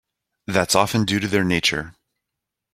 That's often due to their nature.